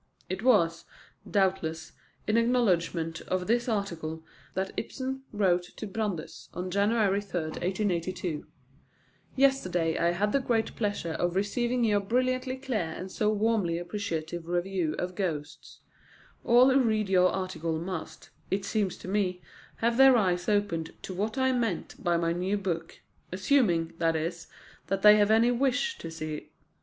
It was, doubtless, in acknowledgment of this article that Ibsen wrote to Brandes on January 3, 1882: "Yesterday I had the great pleasure of receiving your brilliantly clear and so warmly appreciative review of Ghosts.... All who read your article must, it seems to me, have their eyes opened to what I meant by my new book assuming, that is, that they have any wish to see.